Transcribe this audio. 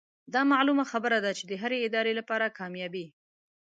دا معلومه خبره ده چې د هرې ادارې لپاره کاميابي